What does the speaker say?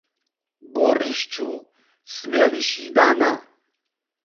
بۆ ڕیش چوو سمێڵیشی دانا